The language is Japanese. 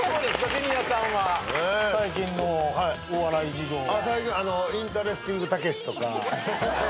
ジュニアさんは最近のお笑い事情は。